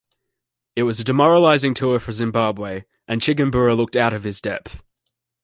It was a demoralising tour for Zimbabwe and Chigumbura looked out of his depth.